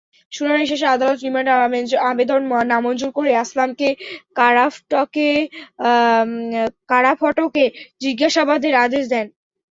শুনানি শেষে আদালত রিমান্ড আবেদন নামঞ্জুর করে আসলামকে কারাফটকে জিজ্ঞাসাবাদের আদেশ দেন।